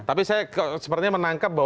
tapi saya sepertinya menangkap bahwa